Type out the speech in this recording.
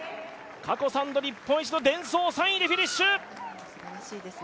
過去３度日本一のデンソー、３位でフィニッシュ。